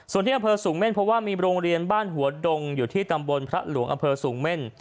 ส่วนที่อำเภอสูงเม่นเพราะว่ามีโรงเรียนบ้านหัวดงอยู่ที่ตำบลพระหลวงอำเภอสูงเม่น